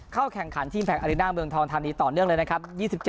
เข้าแข่งขันทีมแพคอาริน่าเมืองทองทานีต่อเนื่องเลยนะครับ